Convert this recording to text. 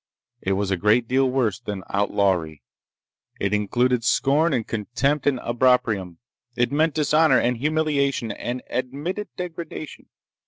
It was a great deal worse than outlawry. It included scorn and contempt and opprobrium. It meant dishonor and humiliation and admitted degradation.